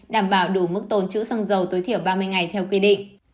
đảm bảo đủ mức tồn chữ xăng dầu tối thiểu ba mươi ngày theo quy định